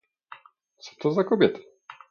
"Co to za kobieta?"